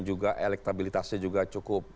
juga elektabilitasnya cukup